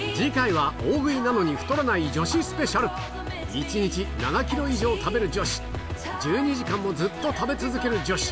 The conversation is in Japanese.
一日７ｋｇ以上食べる女子１２時間もずっと食べ続ける女子